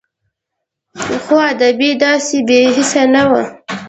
خو ادبي نړۍ داسې بې حسه نه وه